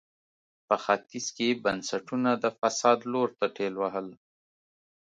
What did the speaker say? په ختیځ کې یې بنسټونه د فساد لور ته ټېل وهل.